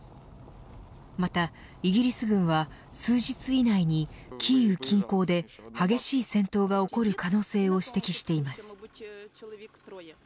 またイギリス軍は数日以内に、キーウ近郊で激しい戦闘が起こる可能性を指摘しています。